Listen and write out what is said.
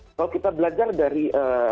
kalau kita belajar dari